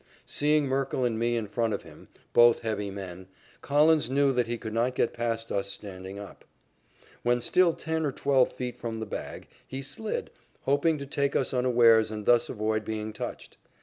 Seeing Merkle and me in front of him, both heavy men, Collins knew that he could not get past us standing up. When still ten or twelve feet from the bag, he slid, hoping to take us unawares and thus avoid being touched.